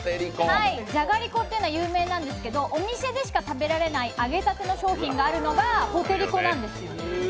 じゃがりこというのは有名なんですけどお店でしか食べられない揚げたての商品があるのがポテりこなんですよ。